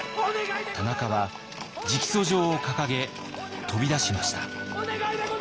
田中は直訴状を掲げ飛び出しました。